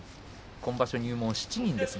今場所入門は７人です。